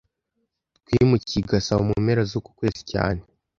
Twimukiye i Gasabo mu mpera zuku kwezi cyane